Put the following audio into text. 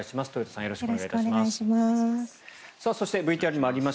よろしくお願いします。